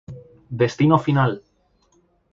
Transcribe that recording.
destino final